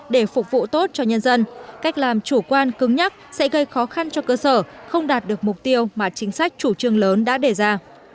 để phục vụ tốt cho nhân dân cách làm chủ quan cứng nhắc sẽ gây khó khăn cho cơ sở không đạt được mục tiêu mà chính sách chủ trương lớn đã đề ra